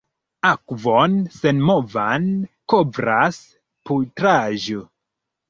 Akvon senmovan kovras putraĵo.